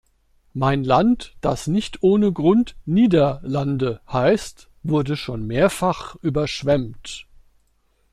Mein Land, das nicht ohne Grund „Nieder-Lande“ heißt, wurde schon mehrfach überschwemmt.